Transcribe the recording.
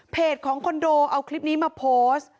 ของคอนโดเอาคลิปนี้มาโพสต์